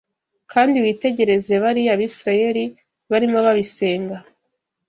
kandi witegereze bariya Bisirayeli barimo babisenga